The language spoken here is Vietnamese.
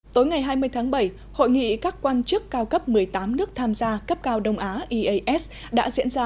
tối ngày hai mươi tháng bảy hội nghị các quan chức cao cấp một mươi tám nước tham gia cấp cao đông á eas đã diễn ra